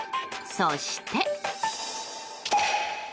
そして。